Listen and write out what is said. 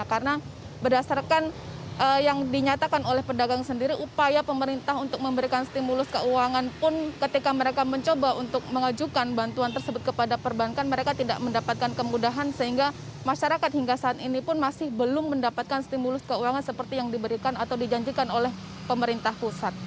karena berdasarkan yang dinyatakan oleh pedagang sendiri upaya pemerintah untuk memberikan stimulus keuangan pun ketika mereka mencoba untuk mengajukan bantuan tersebut kepada perbankan mereka tidak mendapatkan kemudahan sehingga masyarakat hingga saat ini pun masih belum mendapatkan stimulus keuangan seperti yang diberikan atau dijanjikan oleh pemerintah pusat